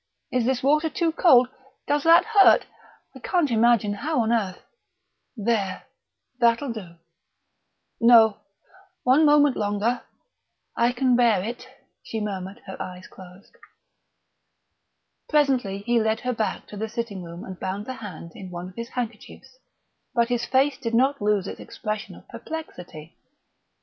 is this water too cold? Does that hurt? I can't imagine how on earth ... there; that'll do " "No one moment longer I can bear it," she murmured, her eyes closed.... Presently he led her back to the sitting room and bound the hand in one of his handkerchiefs; but his face did not lose its expression of perplexity.